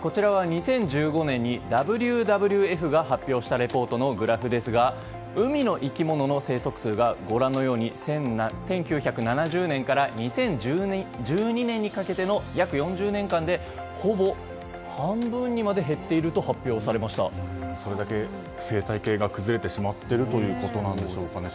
こちらは２０１５年にＷＷＦが発表したレポートのグラフですが海の生き物の生息数が１９７０年から２０１２年にかけての約４０年間でほぼ半分にまで減っているとそれだけ生態系が崩れてしまっているということなんでしょうかね。